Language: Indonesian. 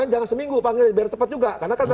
jangan seminggu panggilan biar cepet juga karena kan